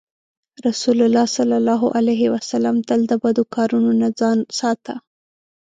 رسول الله ﷺ تل د بدو کارونو نه ځان ساته.